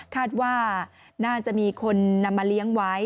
คาดว่าน่าจะมีคนนำมาเลี้ยงไว้